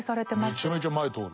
めちゃめちゃ前通る。